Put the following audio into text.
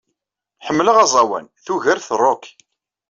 Ḥemmleɣ aẓawan, tugart rock.